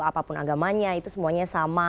apapun agamanya itu semuanya sama